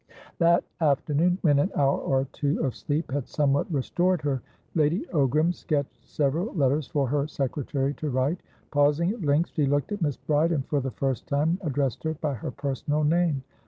That afternoon, when an hour or two of sleep had somewhat restored her, Lady Ogram sketched several letters for her secretary to write. Pausing at length, she looked at Miss Bride, and, for the first time, addressed her by her personal name.